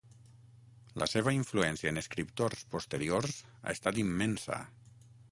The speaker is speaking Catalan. La seva influència en escriptors posteriors ha estat immensa.